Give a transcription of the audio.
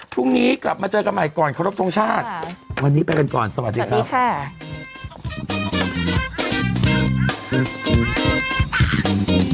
พรุ่งนี้กลับมาเจอกันใหม่ก่อนขอรบทรงชาติวันนี้ไปกันก่อนสวัสดีครับ